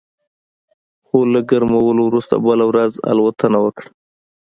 خو له ګرمولو وروسته بله ورځ الوتنه وکړه